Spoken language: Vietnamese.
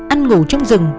ăn ngủ trong rừng